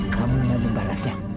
kamu yang membalasnya